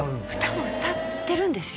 歌も歌ってるんですよ